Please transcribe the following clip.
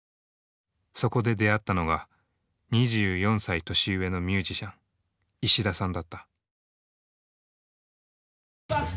そこで出会ったのが２４歳年上のミュージシャン石田さんだった。